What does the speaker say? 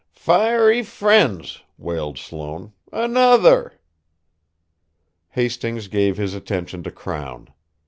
"Fiery fiends!" wailed Sloane. "Another!" Hastings gave his attention to Crown.